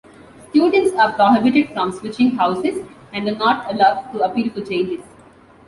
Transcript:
Students are prohibited from switching houses, and are not allowed to appeal for changes.